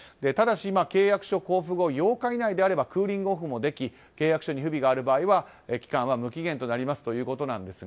ただし、契約書交付後８日以内であればクーリングオフもでき契約書に不備がある場合は期間は無期限になると。